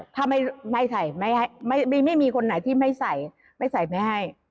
ถ้าไม่ใส่ไม่มีคนไหนที่ไม่ใส่ไม่ใส่ไม่ให้